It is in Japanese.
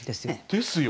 ですよ。